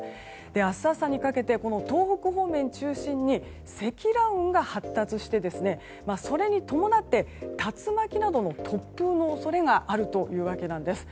明日朝にかけて東北方面を中心に積乱雲が発達してそれに伴って、竜巻などの突風の恐れがあるというわけなんです。